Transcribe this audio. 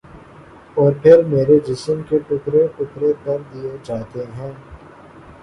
اور پھر میرے جسم کے ٹکڑے ٹکڑے کر دیے جاتے ہیں